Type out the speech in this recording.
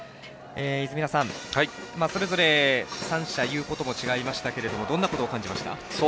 泉田さん、それぞれ３者言うことも違いましたがどんなことを感じました？